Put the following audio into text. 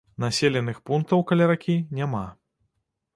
Населеных пунктаў каля ракі няма.